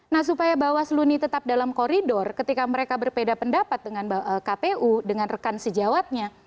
nah supaya bawaslu ini tetap dalam koridor ketika mereka berbeda pendapat dengan kpu dengan rekan sejawatnya